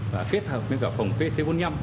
và kết hợp với cả phòng pc bốn mươi năm